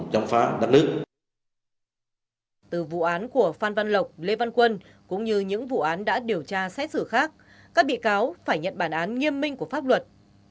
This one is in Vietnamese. đối tượng phan văn lộc lê văn quân lê văn quân